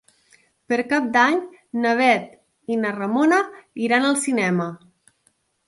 Per Cap d'Any na Bet i na Ramona iran al cinema.